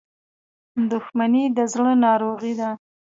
• دښمني د زړه ناروغي ده.